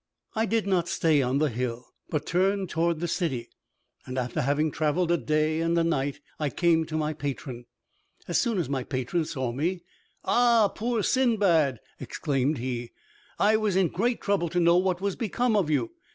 I did not stay on the hill, but turned toward the city; and after having travelled a day and a night, I came to my patron. As soon as my patron saw me, "Ah, poor Sindbad!" exclaimed he, "I was in great trouble to know what was become of you.